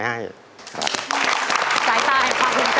ใจใจขอบคุณใจนะ